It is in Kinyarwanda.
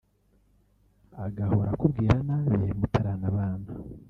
agahora akubwira nabi mutaranabana